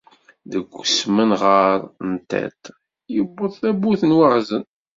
Deg usmenɣer n tiṭ, yuweḍ tamurt n Waɣzen.